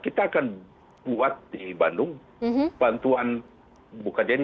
kita akan buat di bandung bantuan bukadjen